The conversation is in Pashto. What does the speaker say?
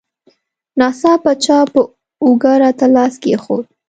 ناڅاپه چا په اوږه راته لاس کېښود.